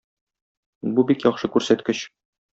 Бу бик яхшы күрсәткеч.